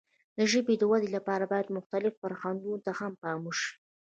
د ژبې د وده لپاره باید مختلفو فرهنګونو ته هم پام وشي.